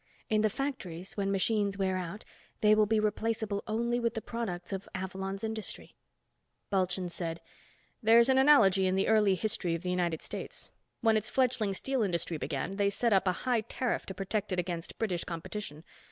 In the factories, when machines wear out, they will be replaceable only with the products of Avalon's industry." Bulchand said, "There's an analogy in the early history of the United States. When its fledgling steel industry began, they set up a high tariff to protect it against British competition.